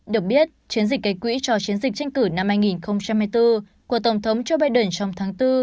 được biết chiến dịch gây quỹ cho chiến dịch tranh cử năm hai nghìn hai mươi bốn của tổng thống joe biden trong tháng bốn